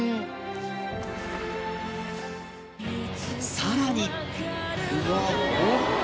さらに